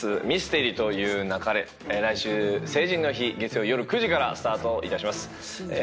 『ミステリと言う勿れ』来週成人の日月曜夜９時からスタートいたします。